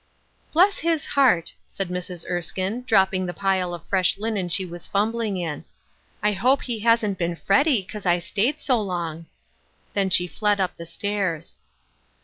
" Bless his heart !" said Mrs. Erskine, drop ping the pile of fresh linen she was fumbling in. " I hope he hasn't been fretty 'cause I fetaid so long!" Then she fled up the stairs.